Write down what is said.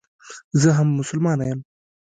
زه هم مسلمانه یم.